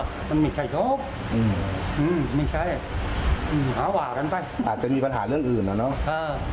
กันไม่ใช่ไม่ใช่หาหากันไปอาจจะมีปัญหาเรื่องอื่นหรอเนาะ